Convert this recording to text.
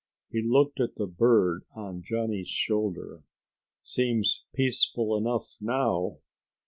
He looked at the bird on Johnny's shoulder. "Seems peaceful enough now."